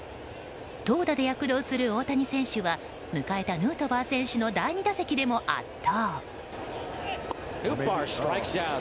投打で躍動する大谷選手は迎えたヌートバー選手の第２打席でも圧倒。